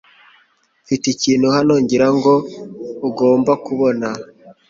Mfite ikintu hano ngira ngo ugomba kubona.